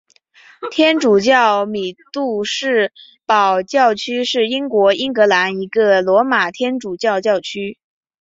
天主教米杜士堡教区是英国英格兰一个罗马天主教教区。